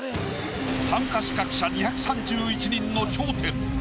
参加資格者２３１人の頂点。